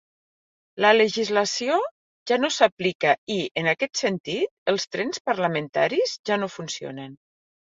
La legislació ja no s'aplica i, en aquest sentit, els trens parlamentaris ja no funcionen.